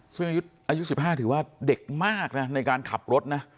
ซึ่งอายุ๑๕ถือว่าเด็กมากนะในการขับรถนะ